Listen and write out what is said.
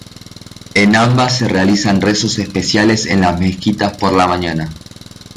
En ambas se realizan rezos especiales en las mezquitas por la mañana.